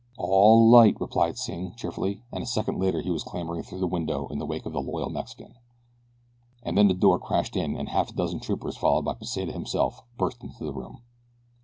"Allee light," replied Sing cheerfully, and a second later he was clambering through the window in the wake of the loyal Mexican. And then the door crashed in and half a dozen troopers followed by Pesita himself burst into the room.